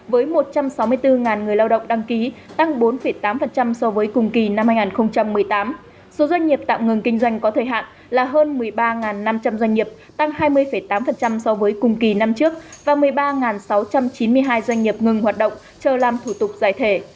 với một trăm sáu mươi bốn người lao động đăng ký tăng bốn tám so với cùng kỳ năm hai nghìn một mươi tám số doanh nghiệp tạm ngừng kinh doanh có thời hạn là hơn một mươi ba năm trăm linh doanh nghiệp tăng hai mươi tám so với cùng kỳ năm trước và một mươi ba sáu trăm chín mươi hai doanh nghiệp ngừng hoạt động chờ làm thủ tục giải thể